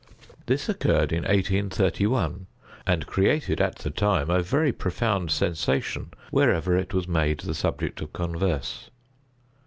This occurred in 1831, and created, at the time, a very profound sensation wherever it was made the subject of converse.